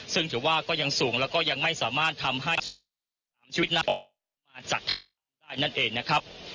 ซึ่งถือว่าก็ยังสูงแล้วก็ยังไม่สามารถทำให้ชีวิตนั้นออกมาจากได้นั่นเองนะครับ